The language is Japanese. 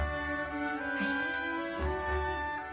はい。